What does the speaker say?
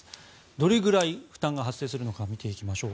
どれぐらい負担が発生するのか見ていきましょう。